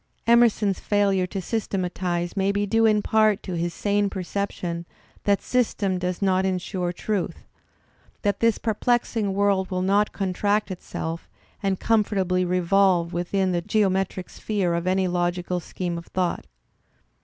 Emerson's failure to systematize may be due in part to his sane perception that i?ystem does not ensure truth, that this perplexing world will not contract itself and comfortably revolve within the geometric sphere of any logical scheme of thought.